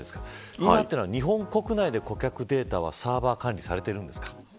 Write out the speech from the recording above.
今は日本国内で顧客データはサーバー管理されているんですか。